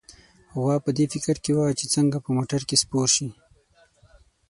غوا په دې فکر کې وه چې څنګه په موټر کې سپور شي.